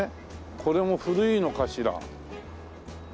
これも古いのかしら？